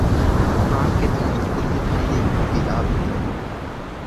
প্রাণকে নিয়ন্ত্রণ করিতে পারিলেই মুক্তিলাভ হইয়া থাকে।